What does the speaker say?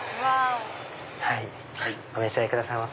はいお召し上がりくださいませ。